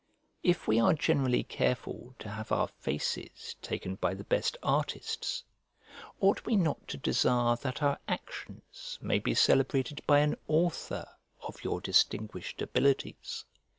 If we are generally careful to have our faces taken by the best artists, ought we not to desire that our actions may be celebrated by an author of your distinguished abilities?